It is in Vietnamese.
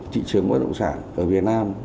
thị trường bất động sản ở việt nam